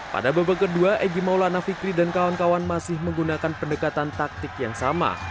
pada babak kedua egy maulana fikri dan kawan kawan masih menggunakan pendekatan taktik yang sama